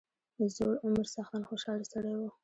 زوړ عمر څښتن خوشاله سړی وو.